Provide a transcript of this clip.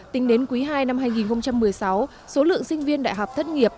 tính đến quý ii năm hai nghìn một mươi sáu số lượng sinh viên đại học thất nghiệp